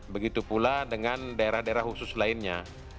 begitu pula dengan daerah daerah khusus lainnya